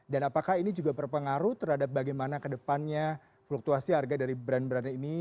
dan apakah ini juga berpengaruh terhadap bagaimana kedepannya fluktuasi harga dari brand brand ini